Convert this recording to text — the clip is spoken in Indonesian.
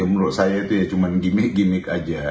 menurut saya itu cuma gimmick gimmick saja